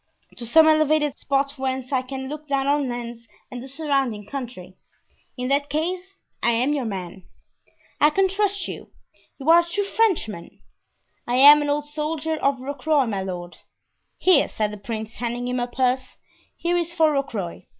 "To some elevated spot whence I can look down on Lens and the surrounding country——" "In that case, I'm your man." "I can trust you—you are a true Frenchman?" "I am an old soldier of Rocroy, my lord." "Here," said the prince, handing him a purse, "here is for Rocroy.